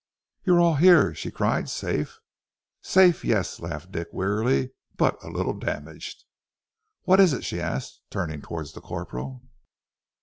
"You are all here?" she cried. "Safe?" "Safe! Yes," laughed Dick weakly. "But a little damaged." "What is it?" she asked, turning towards the corporal.